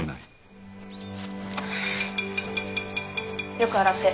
よく洗って。